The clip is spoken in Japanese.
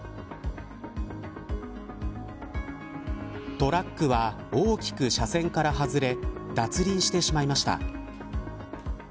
トラックは大きく車線から外れ脱輪してしまいました。